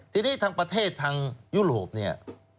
ทีนี้ทางประเทศทางยุโรปเนี่ย